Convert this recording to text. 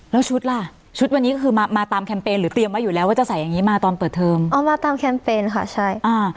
แล้วชุดล่ะชุดวันนี้ก็คือมามาตามแคมเปญหรือเตรียมไว้อยู่แล้วว่าจะใส่อย่างงี้มาตอนเปิดเทอมเอามาตามแคมเปญค่ะใช่อ่า